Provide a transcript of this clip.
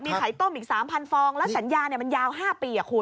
มีขายต้มอีก๓๐๐๐ฟองแล้วสัญญาเนี่ยมันยาว๕ปีอ่ะคุณ